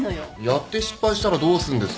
やって失敗したらどうすんですか。